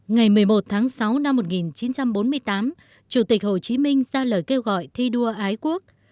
ngày một mươi một tháng sáu năm một nghìn chín trăm bốn mươi tám chủ tịch hồ chí minh ra lời kêu gọi thi đua ái quốc